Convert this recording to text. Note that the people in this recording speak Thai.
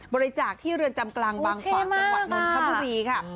บริจาคที่เรือนจำกลางบังความจังหวัดมนตร์ธรรมดีค่ะ